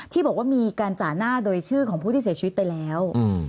ที่บอกว่ามีการจ่าหน้าโดยชื่อของผู้ที่เสียชีวิตไปแล้ว